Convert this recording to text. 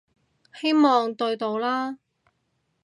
希望對到啦